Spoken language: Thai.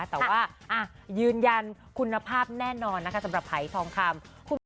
แต่ว่ายืนยันคุณภาพแน่นอนนะคะสำหรับหายทองคำ